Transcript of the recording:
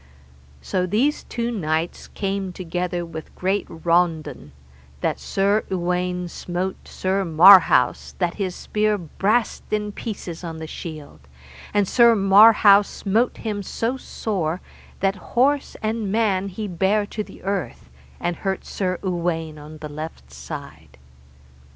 So these two knights came together with great raundon, that Sir Uwaine smote Sir Marhaus that his spear brast in pieces on the shield, and Sir Marhaus smote him so sore that horse and man he bare to the earth, and hurt Sir Uwaine on the left side.